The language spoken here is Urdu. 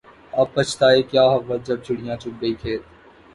اب بچھتائے کیا ہوت جب چڑیا چگ گئی کھیت